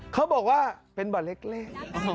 เขาบอกว่าเป็นบ่อเล็ก